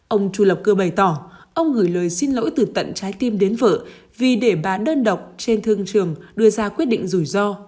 ông chu lập cơ bày tỏ ông gửi lời xin lỗi từ tận trái tim đến vợ vì để bà đơn độc trên thương trường đưa ra quyết định rủi ro